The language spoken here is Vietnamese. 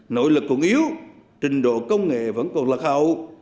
nội lực còn yếu trình độ công nghệ vẫn còn lạc hậu